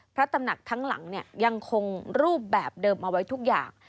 พระตำหนักทั้งหลังเนี่ยยังคงรูปแบบเดิมเอาไว้ทุกอย่าง